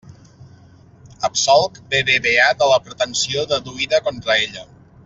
Absolc BBVA de la pretensió deduïda contra ella.